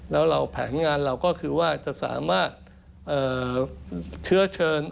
แล้วเราแผนงานเราก็คือว่าจะสามารถเชื้อเชิญ